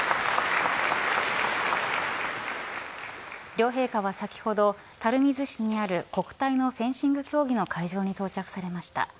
両陛下は先ほど垂水市にある国体のフェンシング競技の会場に到着されました。